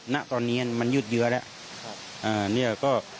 ณตอนนี้มันยืดเยอะแล้ว